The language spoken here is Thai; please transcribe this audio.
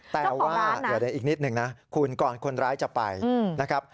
แต่ว่าเดี๋ยวอีกนิดหนึ่งนะคุณก่อนคนร้ายจะไปนะครับ